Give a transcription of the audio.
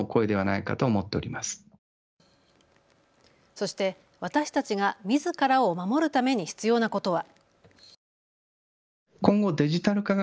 そして私たちがみずからを守るために必要なことは。